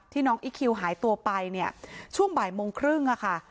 น้องอีคคิวหายตัวไปเนี่ยช่วงบ่ายโมงครึ่งอะค่ะ